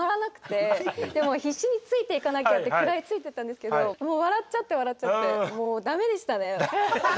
でも必死についていかなきゃって食らいついていったんですけどもう笑っちゃって笑っちゃってもう駄目でしたね。